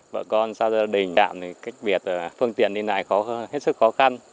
vợ con gia đình đạm cách biệt phương tiện đi lại hết sức khó khăn